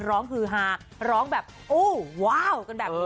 ร้องคือหาร้องว้าว